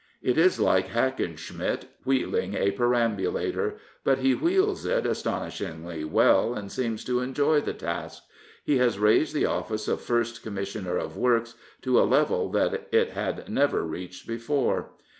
It is like Hackenschmidt wheeling a perambulator. But he wheels it astonish ingly well, and seems to enjoy the task. He has raised the office of First Commissioner of Works to a level that it had never reached before.